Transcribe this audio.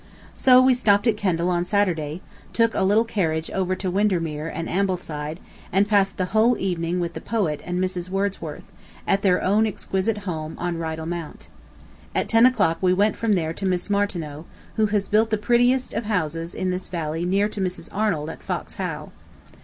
So we stopped at Kendal on Saturday, took a little carriage over to Windermere and Ambleside and passed the whole evening with the poet and Mrs. Wordsworth, at their own exquisite home on Rydal Mount. At ten o'clock we went from there to Miss Martineau, who has built the prettiest of houses in this valley near to Mrs. Arnold at Fox Howe.